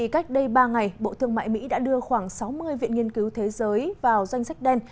cách đây ba ngày bộ thương mại mỹ đã đưa khoảng sáu mươi viện nghiên cứu thế giới vào danh sách đen